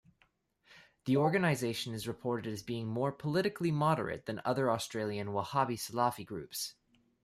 The organisation is reported as being more politically moderate than other Australian Wahhabi-Salafi groups.